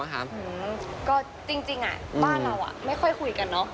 ก็จริงบ้านเราไม่ค่อยคุยกันเนอะ